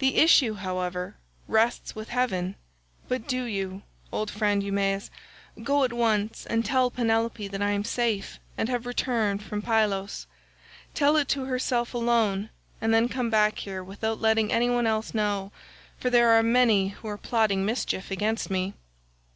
The issue, however, rests with heaven. But do you, old friend Eumaeus, go at once and tell Penelope that I am safe and have returned from Pylos. Tell it to herself alone, and then come back here without letting any one else know, for there are many who are plotting mischief against me."